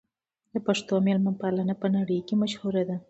د پښتنو مېلمه پالنه په نړۍ کې مشهوره ده.